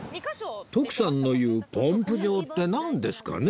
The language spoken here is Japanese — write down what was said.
徳さんの言う「ポンプ場」ってなんですかね？